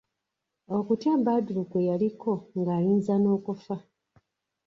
Okutya Badru kwe yaliko ng'ayinza n'okufa.